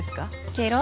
ケロ。